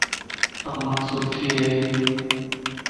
امان سٺي ائي.